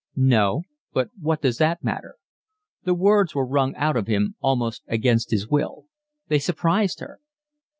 "No. But what does that matter?" The words were wrung out of him almost against his will. They surprised her.